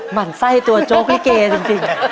หั่นไส้ตัวโจ๊กลิเกจริง